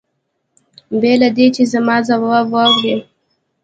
بې له دې چې زما ځواب واوري.